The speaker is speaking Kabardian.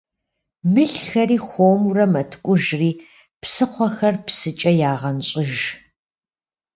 Мылхэри хуэмурэ мэткӀужри псыхъуэхэр псыкӀэ ягъэнщӀыж.